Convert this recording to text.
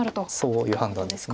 そういう判断です。